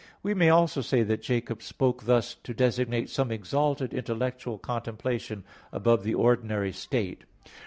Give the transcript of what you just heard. We may also say that Jacob spoke thus to designate some exalted intellectual contemplation, above the ordinary state.